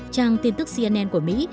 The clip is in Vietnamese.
trang tin tức cnn của mỹ